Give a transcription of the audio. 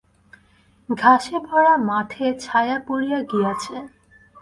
ঘাসে-ভরা মাঠে ছায়া পড়িয়া গিয়াছে।